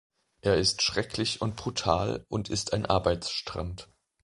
Er ist schrecklich und brutal und ist ein Arbeitsstrand.